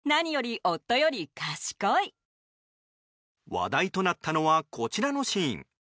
話題となったのはこちらのシーン。